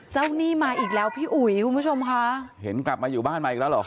หนี้มาอีกแล้วพี่อุ๋ยคุณผู้ชมค่ะเห็นกลับมาอยู่บ้านมาอีกแล้วเหรอ